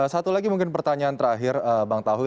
satu lagi mungkin pertanyaan terakhir bang tauhi